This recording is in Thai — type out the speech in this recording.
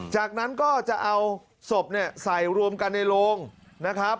จากนั้นก็จะเอาศพเนี่ยใส่รวมกันในโรงนะครับ